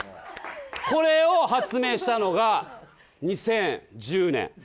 これを発明したのが２０１０年。